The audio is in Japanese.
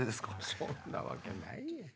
そんなわけないやん。